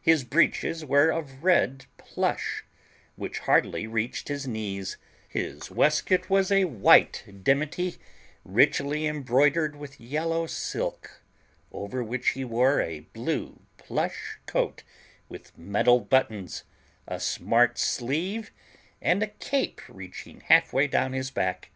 His breeches were of red plush, which hardly reached his knees; his waistcoat was a white dimity, richly embroidered with yellow silk, over which he wore a blue plush coat with metal buttons, a smart sleeve, and a cape reaching half way down his back.